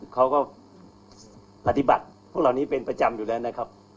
เขาก็ปฏิบัติพวกเหล่านี้เป็นประจำอยู่แล้วนะครับ